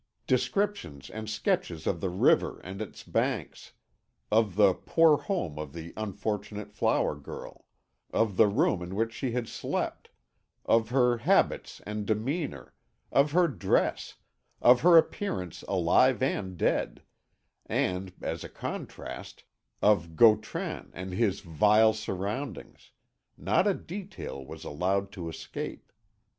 Descriptions and sketches of the river and its banks, of the poor home of the unfortunate flower girl, of the room in which she had slept, of her habits and demeanour, of her dress, of her appearance alive and dead; and, as a contrast, of Gautran and his vile surroundings not a detail was allowed to escape.